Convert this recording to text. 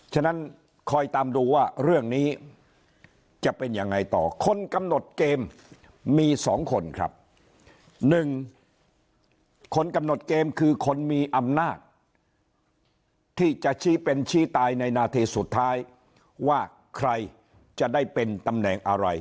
หนึ่งคนกำหนดเกมคือคนมีอำนาจที่จะชี้เป็นชี้ตายในนาทีสุดท้ายว่าใครจะได้เป็นตำแหน่งอะไร